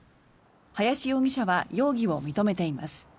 林容疑者は容疑を認めています。